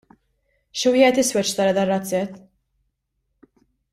Xi wieħed iswed xtara dar-razzett.